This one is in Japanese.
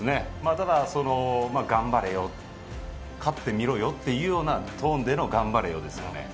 ただ、頑張れよ勝ってみろよっていうようなトーンでの頑張れよですよね。